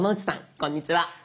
こんにちは。